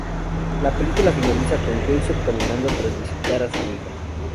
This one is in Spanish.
La película finaliza con Joseph caminando tras visitar a su amiga.